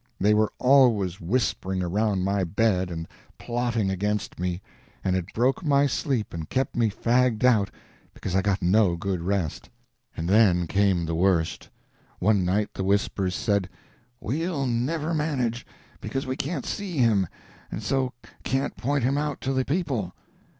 They were always whispering around my bed and plotting against me, and it broke my sleep and kept me fagged out, because I got no good rest. And then came the worst. One night the whispers said, "We'll never manage, because we can't see him, and so can't point him out to the people."